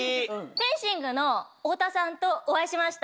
フェンシングの太田さんとお会いしました。